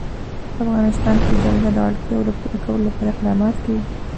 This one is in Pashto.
په افغانستان کې د جلګه د اړتیاوو پوره کولو لپاره اقدامات کېږي.